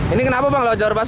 ini kenapa bang lo jalur bus pak